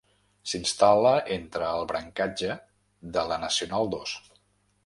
S'instal·la entre el brancatge de la nacional dos.